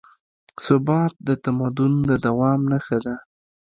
ثبات د تمدن د دوام نښه ده.